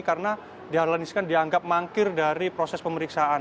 karena dahlan iskan dianggap mangkir dari proses pemeriksaan